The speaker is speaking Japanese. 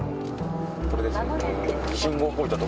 これですね。